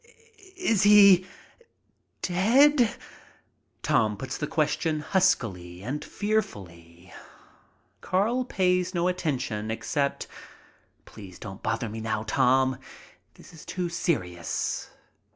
"Is he — dead?" Tom puts the question huskily and fearfully. Carl pays no attention except: "Please don't bother me now, Tom. This is too serious."